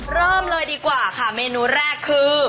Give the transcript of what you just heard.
เริ่มเลยดีกว่าค่ะเมนูแรกคือ